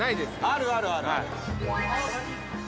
あるあるあるある。